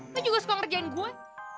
aku juga suka ngerjain gue